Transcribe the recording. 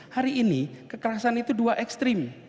hari ini kekerasan itu dua ekstrim